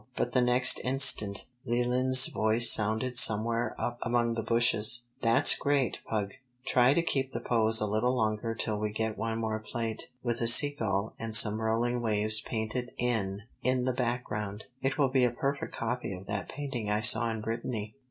But the next instant Leland's voice sounded somewhere up among the bushes: "That's great, Pug. Try to keep the pose a little longer till we get one more plate. With a sea gull and some rolling waves painted in in the background, it will be a perfect copy of that painting I saw in Brittany."